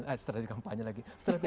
eh strategi kampanye lagi